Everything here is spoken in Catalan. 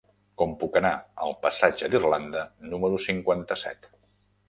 Com puc anar al passatge d'Irlanda número cinquanta-set?